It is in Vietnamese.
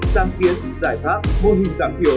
sáng kiến giải pháp mô hình giảm thiểu